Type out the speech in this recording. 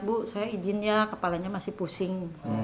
bu saya izin ya kepalanya masih pusing